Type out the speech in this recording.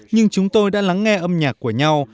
nhưng chúng tôi đã lắng nghe âm nhạc của nhau